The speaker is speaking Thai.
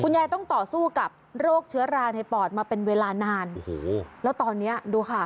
ยายต้องต่อสู้กับโรคเชื้อราในปอดมาเป็นเวลานานโอ้โหแล้วตอนเนี้ยดูค่ะ